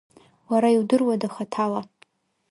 Уара иудыруада хаҭала?